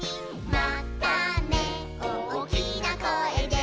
「またねおおきなこえで」